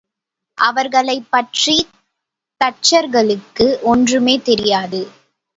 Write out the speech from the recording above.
அவர்களைப் பற்றித் தச்சர்களுக்கு ஒன்றுமே தெரியாது.